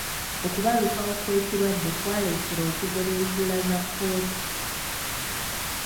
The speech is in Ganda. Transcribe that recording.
Okubalukawo kw'ekirwadde kwaleetera okugoba entuula za kkooti.